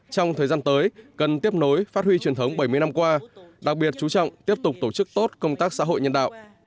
trong thời gian tới cần tiếp nối phát huy truyền thống bảy mươi năm qua đặc biệt chú trọng tiếp tục tổ chức tốt công tác xã hội nhân đạo